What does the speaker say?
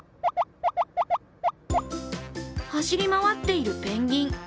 走り回っているペンギン。